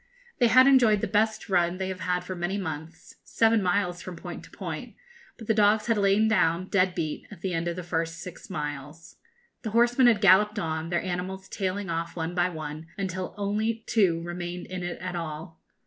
They had enjoyed the best run they have had for many months seven miles, from point to point but the dogs had lain down, dead beat, at the end of the first six miles. The horsemen had galloped on, their animals tailing off one by one, until only two remained in it at all.